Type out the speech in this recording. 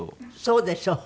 そうでしょう？